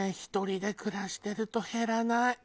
１人で暮らしてると減らない。